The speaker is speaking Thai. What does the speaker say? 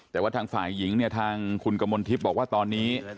แต่ว่าทางฝ่ายหญิงเนี่ยทางคุณกมลทิพย์บอกว่าตอนนี้